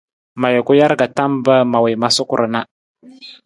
Ma juku jar ka tam mpa ma wii ma suku ra na.